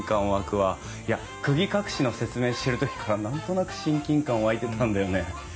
いや釘隠しの説明してる時から何となく親近感湧いてたんだよね。